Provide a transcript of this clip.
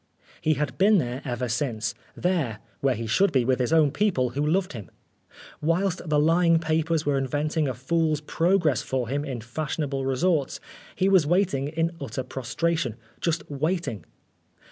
He had been there ever since there, where he should be, with his own people, who loved him. Whilst the lying papers were inventing a Fool's Progress for him in fashionable resorts, he was waiting in utter prostration just waiting.